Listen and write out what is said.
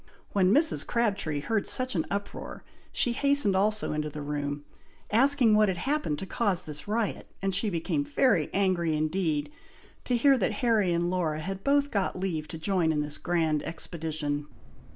When Mrs. Crabtree heard such an uproar, she hastened also into the room, asking what had happened to cause this riot, and she became very angry indeed, to hear that Harry and Laura had both got leave to join in this grand expedition.